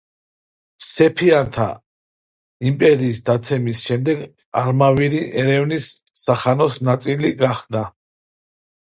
სეფიანთა იმპერიის დაცემის შემდეგ, არმავირი ერევნის სახანოს ნაწილი გახდა.